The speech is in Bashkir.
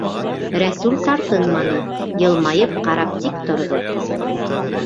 Рәсүл тартынманы, йылмайып ҡарап тик торҙо.